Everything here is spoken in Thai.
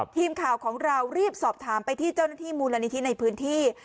ทีมข่าวของเรารีบสอบถามไปที่เจ้าหน้าที่มูลนิธิในพื้นที่